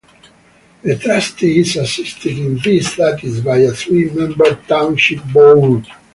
The trustee is assisted in these duties by a three-member township board.